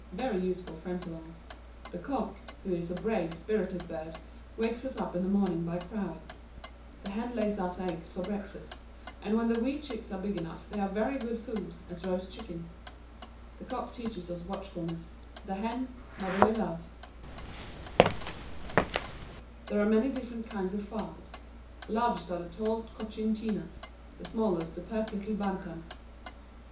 very useful friends of ours. The cock, who is a brave, spirited bird, wakes us up in the morning by crowing; the hen lays us eggs for breakfast, and when the wee chicks are big enough, they are very good food, as roast chicken. The cock teaches us watchfulness; the hen, motherly love. [Illustration: THE COCK, THE HEN, AND THE CHICKENS.] There are many different kinds of fowls. The largest are the tall Cochin Chinas; the smallest the pert little Bantams.